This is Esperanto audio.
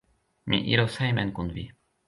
Mi iros hejmen kun vi.